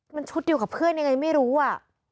มันชุดเดียวกับเพื่อนยังไงไม่รู้อ่ะ